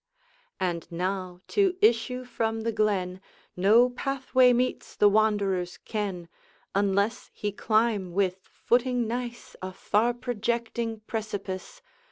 And now, to issue from the glen, No pathway meets the wanderer's ken, Unless he climb with footing nice A far projecting precipice.